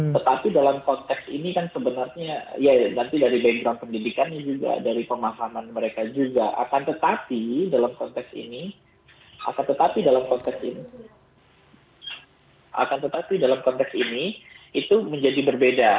tetapi dalam konteks ini kan sebenarnya ya nanti dari background pendidikan ini juga dari pemahaman mereka juga akan tetapi dalam konteks ini akan tetapi dalam konteks ini akan tetapi dalam konteks ini itu menjadi berbeda